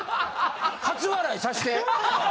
初笑いさして。